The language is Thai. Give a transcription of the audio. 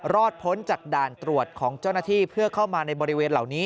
พ้นจากด่านตรวจของเจ้าหน้าที่เพื่อเข้ามาในบริเวณเหล่านี้